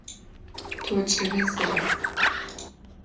T'oç'ıre zıre.